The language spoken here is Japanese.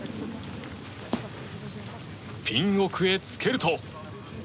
ピン奥へつけると。